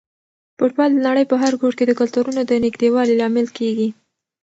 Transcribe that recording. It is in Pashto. فوټبال د نړۍ په هر ګوټ کې د کلتورونو د نږدېوالي لامل کیږي.